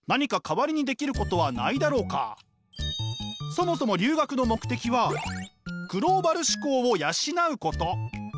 そもそも留学の目的はグローバル思考を養うこと。